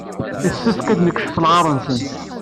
Yessefk ad d-nekcef lɛaṛ-nnes.